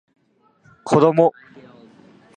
こども